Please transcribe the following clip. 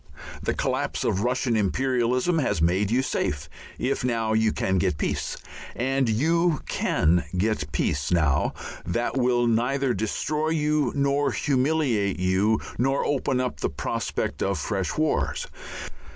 The collapse of Russian imperialism has made you safe if now you can get peace, and you can get a peace now that will neither destroy you nor humiliate you nor open up the prospect of fresh wars.